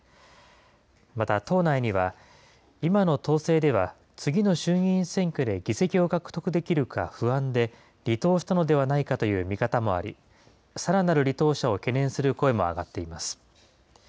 また党内には、今の党勢では次の衆議院選挙で議席を獲得できるか不安で離党したのではないかという見方もあり、さらなる離党者を懸念する声も上がっています。